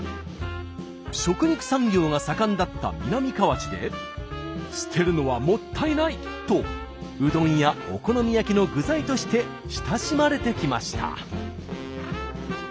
食肉産業が盛んだった南河内で捨てるのはもったいないとうどんやお好み焼きの具材として親しまれてきました。